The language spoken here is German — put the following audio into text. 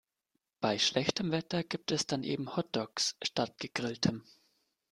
Bei schlechtem Wetter gibt es dann eben Hotdogs statt Gegrilltem.